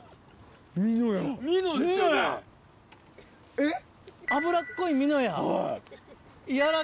えっ？